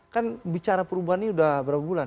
kan bicara perubahan ini sudah berapa bulan